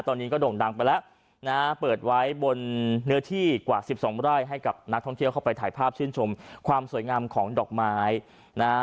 ตอนนี้ก็โด่งดังไปแล้วนะฮะเปิดไว้บนเนื้อที่กว่าสิบสองไร่ให้กับนักท่องเที่ยวเข้าไปถ่ายภาพชื่นชมความสวยงามของดอกไม้นะฮะ